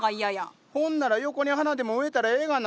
ほんなら横に花でも植えたらええがな。